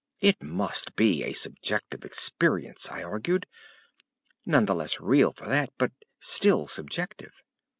It must be a subjective experience, I argued—none the less real for that, but still subjective.